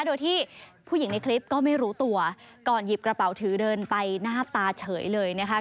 โดยที่ผู้หญิงในคลิปก็ไม่รู้ตัวก่อนหยิบกระเป๋าถือเดินไปหน้าตาเฉยเลยนะคะ